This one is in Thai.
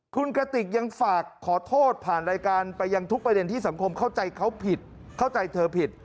คุณกติกยังฝากขอโทษผ่านรายการไปยังทุกประเด็นที่สังคมเข้าใจเขาผิดเข้าใจเธอผิด